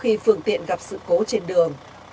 khi phương tiện gặp sự cố trên đường